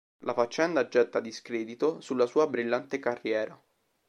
La faccenda getta discredito sulla sua brillante carriera.